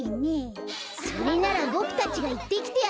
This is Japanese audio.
それならボクたちがいってきてあげるよ。